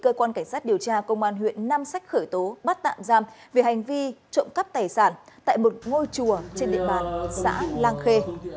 cơ quan cảnh sát điều tra công an huyện nam sách hải dương đã được khởi tố bắt tạm giam vì hành vi trộm cắt tài sản tại một ngôi chùa trên địa bàn xã lang khê